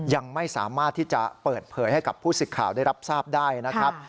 ยังไม่สามารถที่จะเปิดเผยให้กับผู้สิทธิ์ข่าวได้รับทราบได้นะครับ